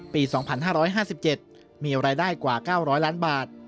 ปี๒๕๕๗มีรายได้กว่า๙๐๐ล้านบาท